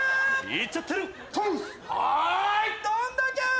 いっちゃってるー。